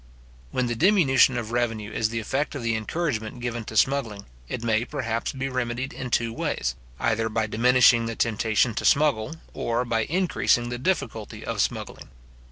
When the diminution of revenue is the effect of the encouragement given to smuggling, it may, perhaps, be remedied in two ways; either by diminishing the temptation to smuggle, or by increasing the difficulty of smuggling.